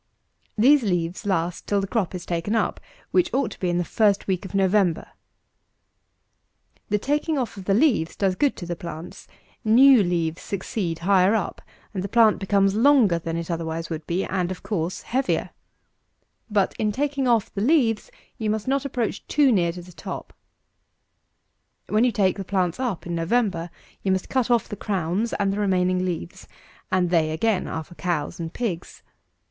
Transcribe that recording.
These leaves last till the crop is taken up, which ought to be in the first week of November. The taking off of the leaves does good to the plants: new leaves succeed higher up; and the plant becomes longer than it otherwise would be, and, of course, heavier. But, in taking off the leaves, you must not approach too near to the top. 256. When you take the plants up in November, you must cut off the crowns and the remaining leaves; and they, again, are for cows and pigs.